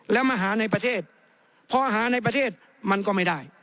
แล้วมาหาในประเทศพอหาในประเทศมันก็ไม่ได้